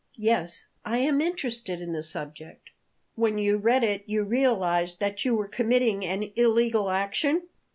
"Yes; I am interested in the subject." "When you read it you realized that you were committing an illegal action?"